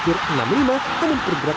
dan tetap tertata dengan baik